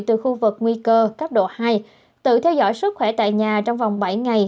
từ khu vực nguy cơ cấp độ hai tự theo dõi sức khỏe tại nhà trong vòng bảy ngày